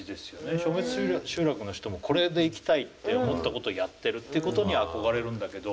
消滅集落の人もこれで生きたいって思ったことやってるっていうことに憧れるんだけど。